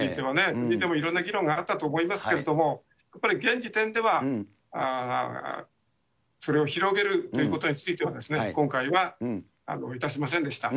国でもいろんな議論があったと思いますけれども、やっぱり、現時点ではそれを広げるということについては、今回はいたしませんでした。